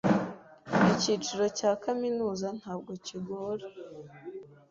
icyiciro cya kaminuza ntabwo kigora